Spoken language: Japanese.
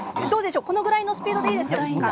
このぐらいのスピードでいいですか？